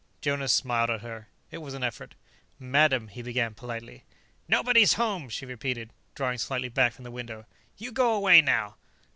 Jonas smiled at her. It was an effort. "Madam " he began politely. "Nobody's home," she repeated, drawing slightly back from the window. "You go away, now."